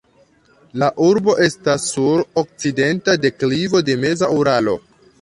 La urbo estas sur okcidenta deklivo de meza Uralo.